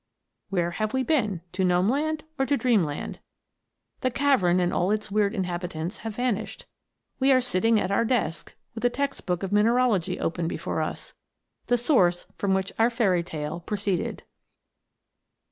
Where have we been? To Gnome land, or to dream land 1 ? The cavern and all its weird inhabi tants have vanished. We are sitting at our desk, with a text book of mineralogy open before us, the source from which our fairy tale proceeded.